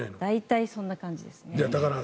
大体そんな感じですね。